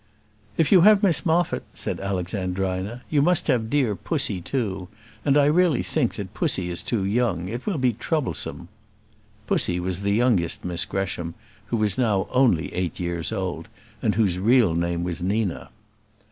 "If you have Miss Moffat," said Alexandrina, "you must have dear Pussy too; and I really think that Pussy is too young; it will be troublesome." Pussy was the youngest Miss Gresham, who was now only eight years old, and whose real name was Nina.